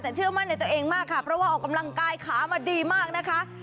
แต่เชื่อมั่นในตัวเองมากค่ะเพราะว่าออกกำลังกายขามาดีมากนะคะ